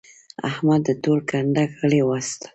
احمد د ټول کنډک غړي واېستل.